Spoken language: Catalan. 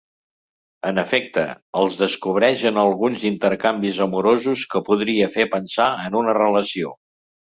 En efecte, els descobreix en alguns intercanvis amorosos que podria fer pensar en una relació.